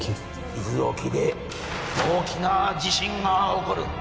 伊豆沖で大きな地震が起こる